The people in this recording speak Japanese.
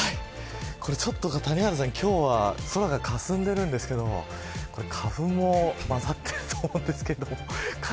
谷原さん、今日は空がかすんでいるんですけど花粉も混ざっていると思うんですけど。